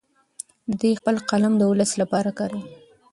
دی خپل قلم د ولس لپاره کاروي.